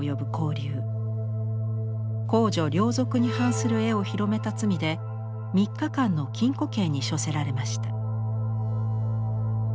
公序良俗に反する絵を広めた罪で３日間の禁錮刑に処せられました。